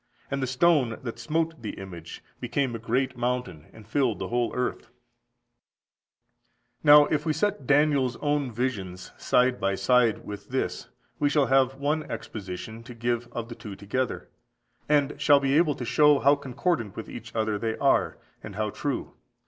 And the stone that smote the image became a great mountain, and filled the whole earth."14461446 Dan. ii. 31–35. 20. Now if we set Daniel's own visions also side by side with this, we shall have one exposition to give of the two together, and shall (be able to) show how concordant with each other they are, and how true.